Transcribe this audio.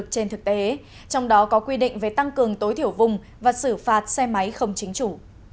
trong đó có quy định về tăng cường tối thiểu vùng và xử phạt xe máy không chính chủ